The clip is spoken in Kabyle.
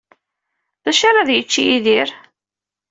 D acu ara ad yečč Yidir?